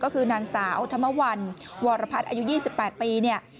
ก็คือนางสาวธรรมวันวรพัฒน์อายุ๒๘ปีเนี่ย